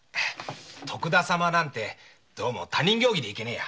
「徳田様」なんて他人行儀でいけねえや。